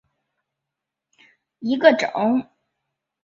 安徽威灵仙为毛茛科铁线莲属下的一个种。